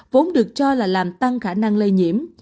vốn được cho là làm tăng khả năng lây nhiễm